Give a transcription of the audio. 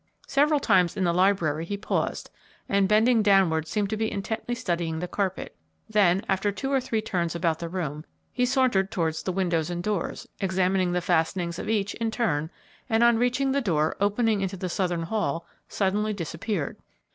Several times in the library he paused and, bending downward, seemed to be intently studying the carpet; then, after two or three turns about the room, he sauntered towards the windows and doors, examining the fastenings of each in turn, and, on reaching the door opening into the southern hall, suddenly disappeared.